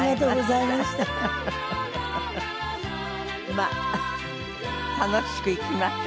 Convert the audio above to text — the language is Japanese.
まあ楽しく生きましょう。